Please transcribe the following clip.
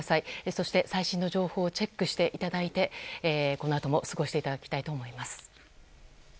そして最新の情報をチェックしていただいてこのあとも過ごしていただきたいと思います。